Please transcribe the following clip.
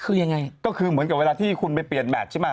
คือยังไงก็คือเหมือนกับเวลาที่คุณไปเปลี่ยนแมทใช่ไหม